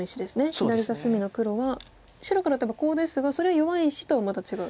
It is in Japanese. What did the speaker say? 左下隅の黒は白から打てばコウですがそれは弱い石とはまた違う？